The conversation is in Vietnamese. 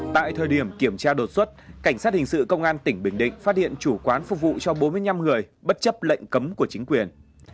tại thời điểm kiểm tra đột xuất cảnh sát hình sự công an tỉnh bình định phát hiện chủ quán phục vụ cho bốn mươi năm người bất chấp lệnh cấm của chính quyền